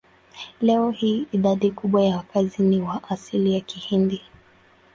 Leo hii idadi kubwa ya wakazi ni wa asili ya Kihindi.